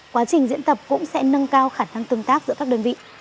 quá trình diễn tập cũng sẽ nâng cao khả năng tương tác giữa các đơn vị